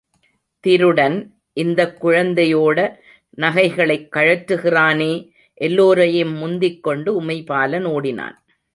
திருடன் இந்தக் குழந்தையோட நகைகளைக் கழற்றுகிறானே? எல்லோரையும் முந்திக்கொண்டு உமைபாலன் ஓடினான்.